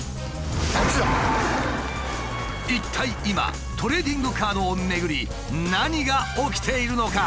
一体今トレーディングカードを巡り何が起きているのか？